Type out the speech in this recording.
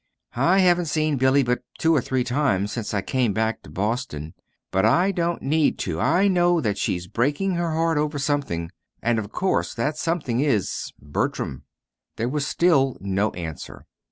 "I haven't seen Billy but two or three times since I came back to Boston but I don't need to, to know that she's breaking her heart over something. And of course that something is Bertram." There was still no answer.